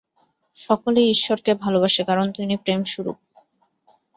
সকলেই ঈশ্বরকে ভালবাসে, কারণ তিনি প্রেমস্বরূপ।